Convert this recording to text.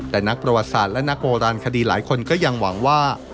แต่นักประวัติศาสตร์และนักโบราณคดีหลายคนก็ยังหวังว่า